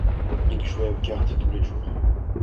ils jouaient aux cartes tous les jours.